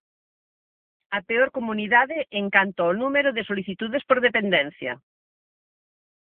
A peor comunidade en canto ao número de solicitudes por dependencia.